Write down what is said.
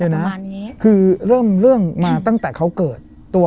เดี๋ยวนะคือเริ่มเรื่องมาตั้งแต่เขาเกิดตัว